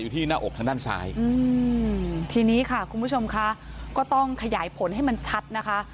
ทีนี้ค่ะคุณผู้ชมค่ะก็ต้องขยายผลให้มันชัดนะคะ